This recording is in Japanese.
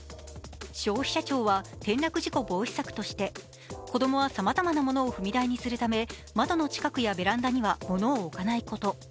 消費者庁は転落事故防止策として、子供はさまざまなものを踏み台にするため、窓の近くやベランダには物を置かないこと。